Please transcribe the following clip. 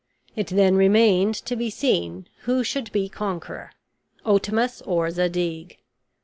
It then remained to be seen who should be conqueror, Otamus or Zadig.